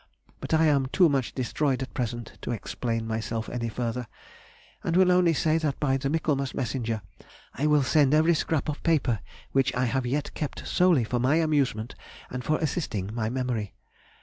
But I am too much destroyed at present to explain myself any further, and will only say that by the Michaelmas messenger I will send every scrap of paper which I have yet kept solely for my amusement and for assisting my memory.